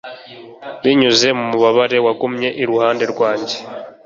binyuze mu bubabare wagumye iruhande rwanjye